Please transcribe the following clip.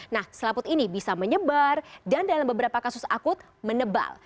nah selaput ini bisa menyebar dan dalam beberapa kasus akut menebal